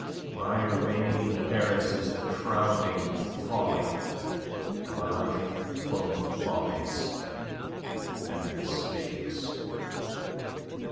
My remaining in Paris is the crowning folly of a life full of follies and mistakes.